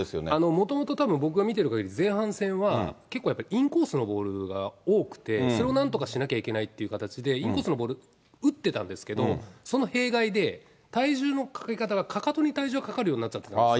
もともとたぶん、僕が見てるかぎり、前半戦は結構、インコースのボールが多くて、それをなんとかしなきゃいけないという形で、インコースのボール、打ってたんですけれども、その弊害で、体重のかけ方がかかとに体重がかかるようになっちゃったんですよ。